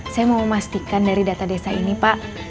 saya mau memastikan dari data desa ini pak